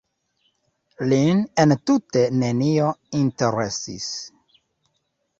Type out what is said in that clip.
Lin entute nenio interesis.